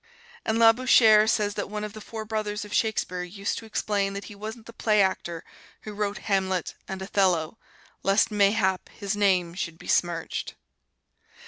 And Labouchere says that one of the four brothers of Shakespeare used to explain that he wasn't the play actor who wrote "Hamlet" and "Othello," lest, mayhap, his name should be smirched.